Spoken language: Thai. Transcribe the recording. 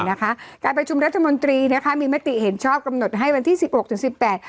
นะคะการประชุมรัฐมนตรีนะคะมีมติเห็นชอบกำหนดให้วันที่สิบหกถึงสิบแปด